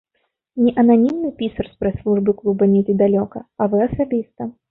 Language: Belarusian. Не ананімны пісар з прэс-службы клуба недзе далёка, а вы асабіста.